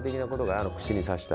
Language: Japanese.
あの串に刺した。